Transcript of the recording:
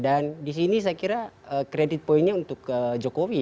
dan disini saya kira kredit poinnya untuk jokowi